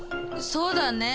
そうだね。